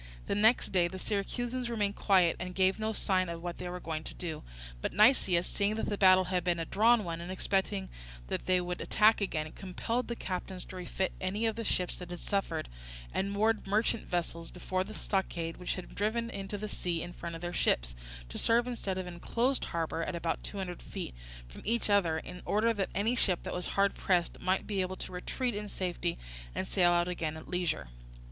The next day the Syracusans remained quiet, and gave no signs of what they were going to do; but Nicias, seeing that the battle had been a drawn one, and expecting that they would attack again, compelled the captains to refit any of the ships that had suffered, and moored merchant vessels before the stockade which they had driven into the sea in front of their ships, to serve instead of an enclosed harbour, at about two hundred feet from each other, in order that any ship that was hard pressed might be able to retreat in safety and sail out again at leisure.